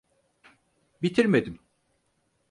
Bitirmedim.